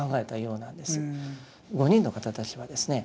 ５人の方たちはですね